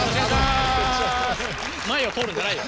前を通るんじゃないよ。